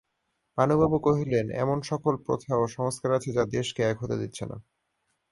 পানুবাবু কহিলেন, এমন-সকল প্রথা ও সংস্কার আছে যা দেশকে এক হতে দিচ্ছে না।